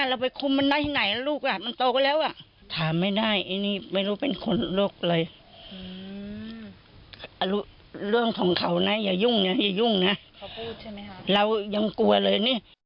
เรายังกลัวเลย